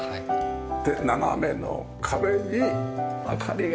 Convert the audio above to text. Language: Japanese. で斜めの壁に明かりがね。